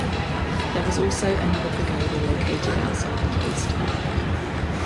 There was also another pagoda located outside the cloister.